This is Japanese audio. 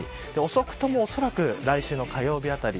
遅くとも、おそらく来週の火曜日あたり